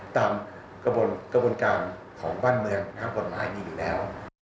ตามกระบวนการของบ้านเมืองกฎหมายมีอยู่แล้ว